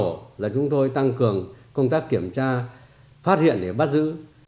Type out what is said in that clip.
đặc biệt là chúng tôi tăng cường công tác kiểm tra phát hiện để bắt giữ